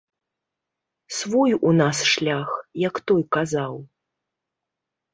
Свой у нас шлях, як той казаў!